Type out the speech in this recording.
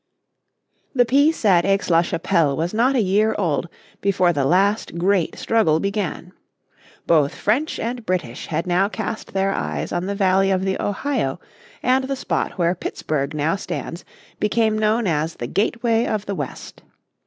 The Peace at Aix la Chapelle was not a year old before the last, great struggle began. Both French and British had now cast their eyes on the valley of the Ohio, and the spot where Pittsburgh now stands became known as the Gateway of the West.